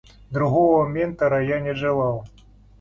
Другого ментора я и не желал.